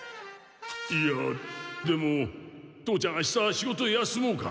いやでも父ちゃんあした仕事休もうか？